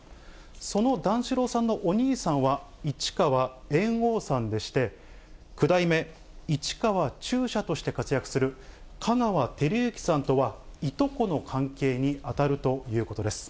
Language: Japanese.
その段四郎さんのお兄さんは、市川猿翁さんでして、九代目市川中車として活躍する香川照之さんとはいとこの関係に当たるということです。